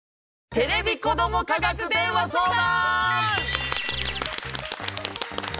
「テレビ子ども科学電話相談」！